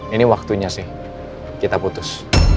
ini waktunya sih kita putus